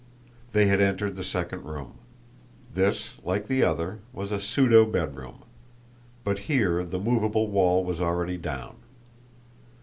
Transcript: They had entered the second room. This, like the other, was a pseudo bedroom; but here the movable wall was already down.